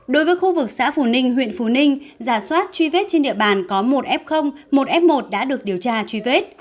đối với khu vực xã phù ninh huyện phú ninh giả soát truy vết trên địa bàn có một f một f một đã được điều tra truy vết